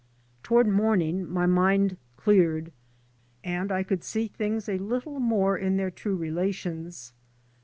Toward morning my mind cleared and I could see things a little more in their true relations.